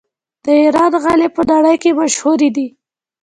د ایران غالۍ په نړۍ کې مشهورې دي.